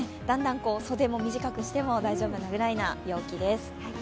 だんだん袖を短くしても大丈夫なくらいな陽気です。